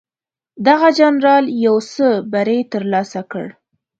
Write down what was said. دغه جنرال یو څه بری ترلاسه کړ.